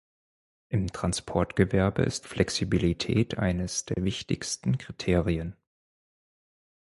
Im Transportgewerbe ist Flexibilität eines der wichtigsten Kriterien.